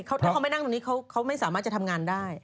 ถ้าเขาไม่นั่งตรงนี้เขาไม่สามารถจะทำงานได้